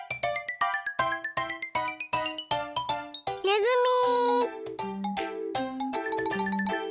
ねずみ。